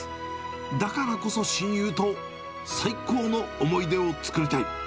だからこそ親友と、最高の思い出を作りたい。